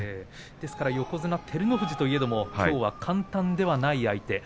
ですから横綱照ノ富士といえどもきょうは簡単ではない相手。